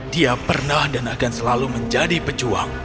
dia pernah dan akan selalu menjadi pejuang